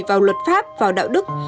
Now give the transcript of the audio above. vào luật pháp vào đạo đức